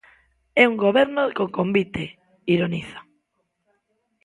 "É un Goberno con convite", ironiza.